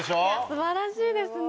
素晴らしいですね。